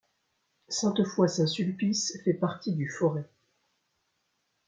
Sainte-Foy-Saint-Sulpice fait partie du Forez.